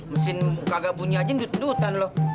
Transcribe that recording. mesin kagak bunyi aja dutan lo